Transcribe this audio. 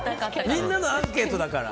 みんなのアンケートだから。